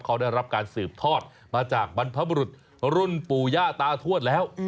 เขาได้รับการสืบทอดมาจากบรรพบรุษรุ่นปู่ย่าตาทวดแล้ว